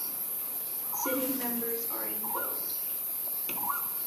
Sitting members are in bold.